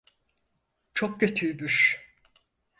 Çok kötüymüş.